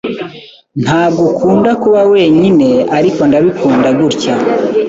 Ntabwo akunda kuba wenyine, ariko ndabikunda gutya.